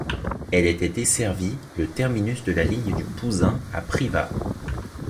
Elle était desservie le terminus de la ligne du Pouzin à Privas.